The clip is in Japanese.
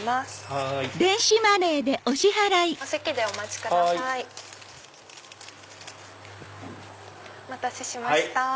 お待たせしました。